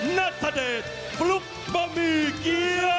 นัทธเดทฟลุ๊คบอมีเกียว